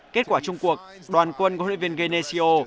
kết quả chung cuộc đoàn quân huyện viên genesio